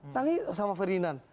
nanti sama ferdinand